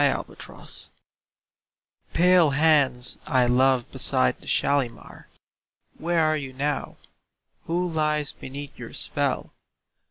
Kashmiri Song Pale hands I love beside the Shalimar, Where are you now? Who lies beneath your spell?